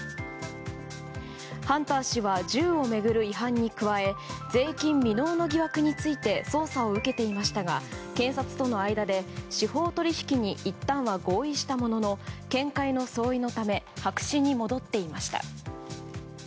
ハンター氏は銃を巡る違反に加え税金未納の疑惑について捜査を受けていましたが検察との間で司法取引にいったんは合意したものの見解の相違のため白紙に戻っていました。